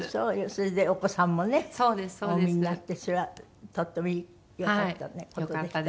それでお子さんもねお産みになってそれはとてもよかった事でしたね。